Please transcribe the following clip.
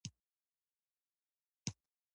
هغه له روحي پلوه تر اغېز لاندې راغی.